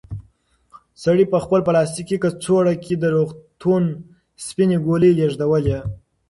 سړي په خپل پلاستیکي کڅوړه کې د روغتون سپینې ګولۍ لېږدولې.